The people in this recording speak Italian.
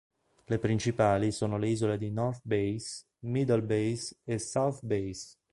Le principali sono le isole di North Bass, Middle Bass e South Bass.